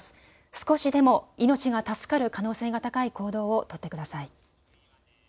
少しでも命が助かる可能性が高い行動を取ってください。